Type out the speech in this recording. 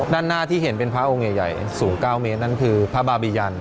ด้านหน้าที่เห็นเป็นพระองค์ใหญ่สูง๙เมตรนั่นคือพระบาบียัน